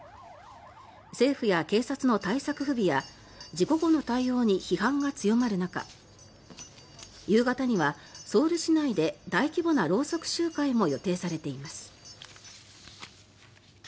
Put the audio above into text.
政府や警察の対策不備や事故後の対応に批判が強まる中夕方にはソウル市内で大規模なろうそく集会も予定されています。